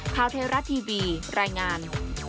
คราวเทราะต์ทีบีรายงาน